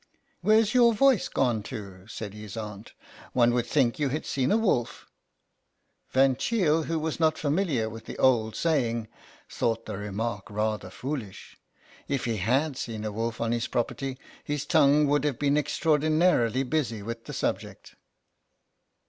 " Where's your voice gone to ?" said his aunt. "One would think you had seen a wolf." Van Cheele, who was not familiar with the old saying, thought the remark rather foolish ; if he had seen a wolf on his property his tongue would have been extraordinarily busy with the subject.